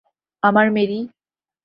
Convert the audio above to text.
আমার মেরি!